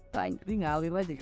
tapi nggak alir aja